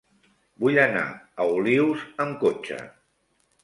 Vull anar a Olius amb cotxe.